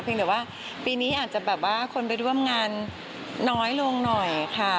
เพียงแต่ว่าปีนี้อาจจะคนไปร่วมงานน้อยลงหน่อยค่ะ